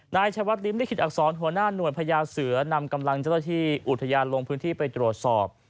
นายชายวัดริมลิขิตอักษรหัวหน้าหน่วยพญาเสือนำกำลังเจ้าหน้าที่อุทยานลงพื้นที่ไปตรวจสอบ